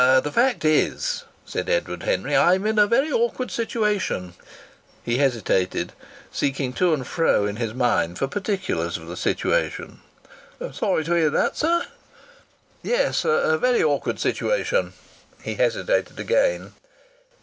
"The fact is," said Edward Henry, "I'm in a very awkward situation." He hesitated, seeking to and fro in his mind for particulars of the situation. "Sorry to hear that, sir." "Yes, a very awkward situation." He hesitated again.